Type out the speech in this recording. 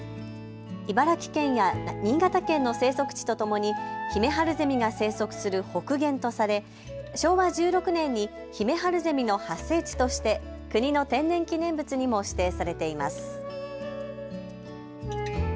茨城県や新潟県の生息地とともにヒメハルゼミが生息する北限とされ昭和１６年にヒメハルゼミの発生地として国の天然記念物にも指定されています。